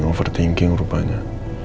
gue yang overthinking rupanya